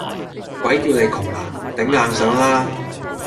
鬼叫你窮呀，頂硬上啦！